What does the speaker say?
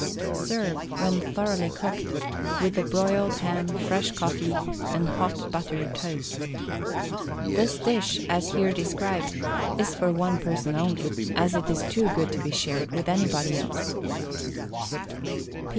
Serve, when thoroughly cooked, with the broiled ham, fresh coffee, and hot buttered toast. This dish, as here described, is for one person only — as it is too good to be shared with anybody else.